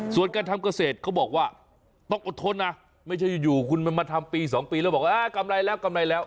ส่วนการทำเกษตรเขาบอกว่าต้องอดทนนะไม่ใช่อยู่คุณมันมาทำปี๒ปีแล้วบอกว่ากำไรแล้วกำไรแล้ว